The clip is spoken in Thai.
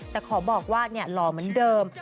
แต่ขอบอกว่าหล่อเหมือนเดิม